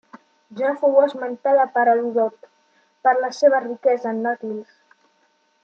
Ja fou esmentada per Heròdot per la seva riquesa en dàtils.